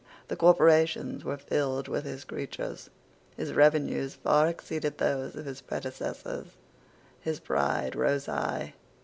The corporations were filled with his creatures. His revenues far exceeded those of his predecessors. His pride rose high.